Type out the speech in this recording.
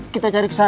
kita cari kesana